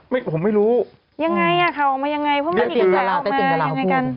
ผมไม่รู้ยังไงอ่ะข่าวออกมายังไงเพราะมันมีกระแสออกมายังไงกัน